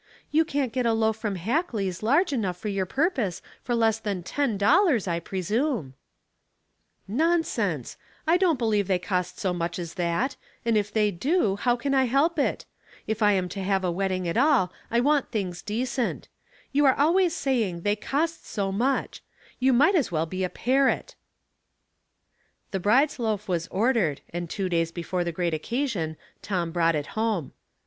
'" You can't get a loaf from Hackley's large enough for your purpose for less than ten dollars, I presume." Practical Arithmetic. 166 "Nonsense! I don't believe they cost so much as that; and if they do^ how can I help it? if I am to have a wedding at all I want things decent. You are always saying ' they cost so much.' You might as well be a parrot." The bride's loaf was ordered, and two days before the great occasion Tom brought it home.